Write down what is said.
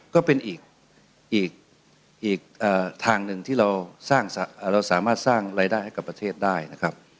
ก็เป็นอีกทางหนึ่งที่เราสามารถสร้างรายได้ให้กับประเทศได้นะครับ